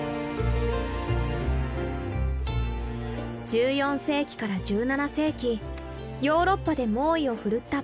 １４世紀から１７世紀ヨーロッパで猛威を振るったペスト。